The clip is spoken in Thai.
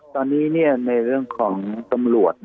ตอนนี้ในเรื่องของตำรวจ